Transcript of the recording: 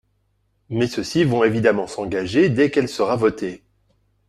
Mais ceux-ci vont évidemment s’engager dès qu’elle sera votée.